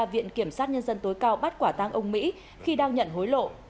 viện kiểm sát nhân dân tối cao bắt quả tang ông mỹ khi đang nhận hối lộ